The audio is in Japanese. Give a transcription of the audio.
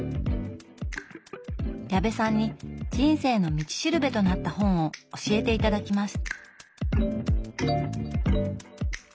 矢部さんに人生の道しるべとなった本を教えて頂きます。